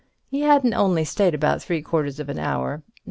He hadn't only stayed about three quarters of an hour.